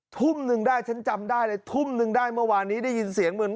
ทุ่มหนึ่งได้ฉันจำได้เลยทุ่มนึงได้เมื่อวานนี้ได้ยินเสียงเหมือน